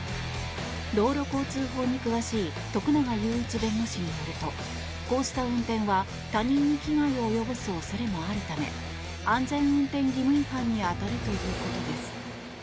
道路交通法に詳しい徳永祐一弁護士によるとこうした運転は他人に危害を及ぼす恐れもあるため安全運転義務違反に当たるということです。